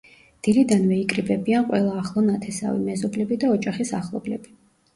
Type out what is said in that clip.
დილიდანვე იკრიბებიან ყველა ახლო ნათესავი, მეზობლები და ოჯახის ახლობლები.